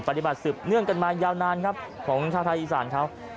ปฏิบัติสืบเนื่องกันมายาวนานครับของชาวไทยอีสานเขา